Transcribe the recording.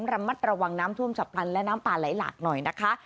ระมัดระวังน้ำท่วมฉับพลันและน้ำป่าไหลหลากหน่อยนะคะ